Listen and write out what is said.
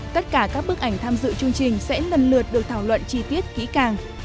tất cả các bức ảnh tham dự chương trình sẽ lần lượt được thảo luận chi tiết kỹ càng